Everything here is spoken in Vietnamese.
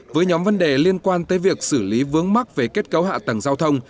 với nhóm vấn đề liên quan tới việc xử lý vướng mắc về kết cấu hạ tầng giao thông